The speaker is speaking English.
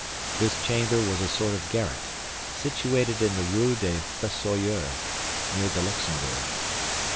This chamber was a sort of garret, situated in the Rue des Fossoyeurs, near the Luxembourg.